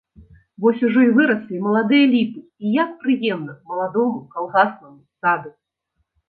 Вось ужо і выраслі маладыя ліпы і як прыемна маладому калгаснаму саду!